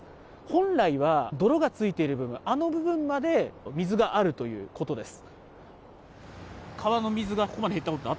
本来は泥がついている部分、あの部分まで水があるということです。